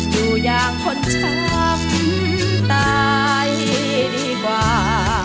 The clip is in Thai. อยู่อย่างคนช้ำตายดีกว่า